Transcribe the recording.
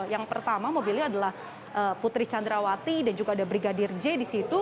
yang pertama mobilnya adalah putri candrawati dan juga ada brigadir j di situ